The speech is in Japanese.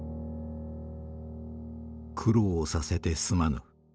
「苦労させてすまぬ。